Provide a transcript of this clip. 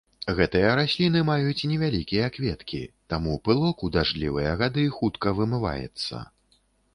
Гэтыя расліны маюць невялікія кветкі, таму пылок у дажджлівыя гады хутка вымываецца.